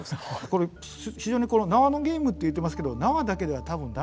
これ非常に縄のゲームって言ってますけど縄だけでは多分駄目なんですよ